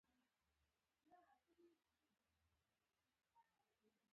هغوی اختیار درلود چې اجازه ورکړي.